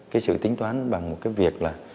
cái sự tính toán bằng một cái việc là